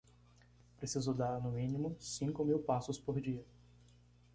Preciso dar, no mínimo, cinco mil passos por dia.